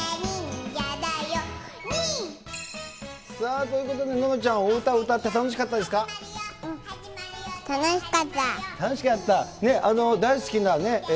さあ、ということで、ののちゃん、お歌を歌って楽しかったですか？